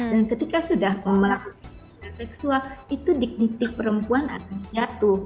dan ketika sudah melakukan hubungan seksual itu dignitik perempuan akan jatuh